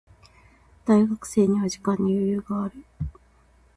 大学生は時間に余裕がある。